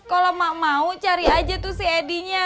kalau mak mau cari aja tuh si ed nya